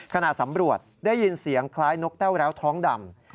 ขณะสำรวจได้ยินเสียงคล้ายนกแต้วแล้วท้องดำ